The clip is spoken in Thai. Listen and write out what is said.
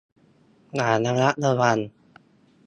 อย่างระมัดระวัง